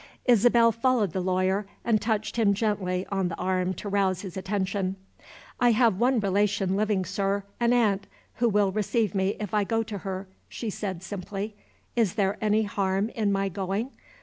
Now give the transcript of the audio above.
Isabel followed the lawyer, and touched him gently on the arm to rouse his attention. "I have one relation living, sir an aunt who will receive me if I go to her," she said simply. "Is there any harm in my going?